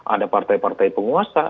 ada partai partai penguasa